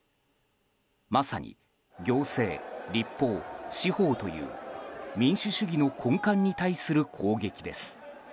まさに行政、立法、司法という民主主義の根幹に対する攻撃です。